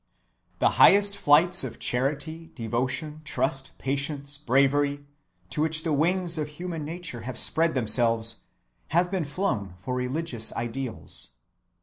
The highest flights of charity, devotion, trust, patience, bravery to which the wings of human nature have spread themselves have been flown for religious ideals.